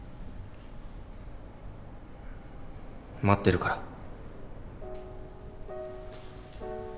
待ってるから。